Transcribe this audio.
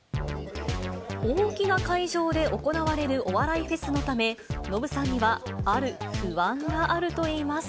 大きな会場で行われるお笑いフェスのため、ノブさんにはある不安があるといいます。